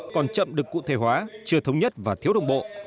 còn chậm được cụ thể hóa chưa thống nhất và thiếu đồng bộ